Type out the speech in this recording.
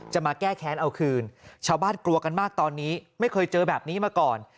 มาแก้แค้นเอาคืนชาวบ้านกลัวกันมากตอนนี้ไม่เคยเจอแบบนี้มาก่อน